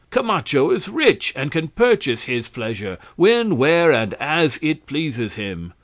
Camacho is rich, and can purchase his pleasure when, where, and as it pleases him.